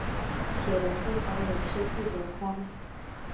写的不好的也是一箩筐